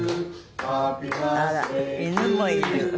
あら犬もいる。